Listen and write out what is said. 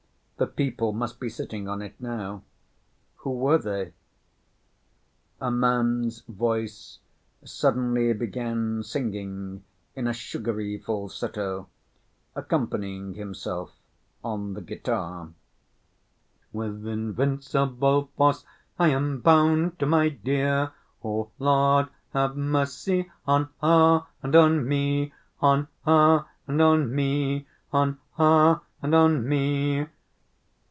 The people must be sitting on it now. Who were they? A man's voice suddenly began singing in a sugary falsetto, accompanying himself on the guitar: With invincible force I am bound to my dear. O Lord, have mercy On her and on me! On her and on me! On her and on me!